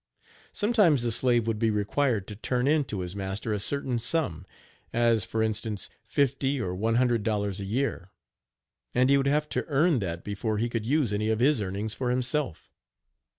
Sometimes the slave would be required to turn in to his master a certain sum, as, for instance, fifty or one hundred dollars a year; and he would have to earn that before he could use any of his earnings for himself.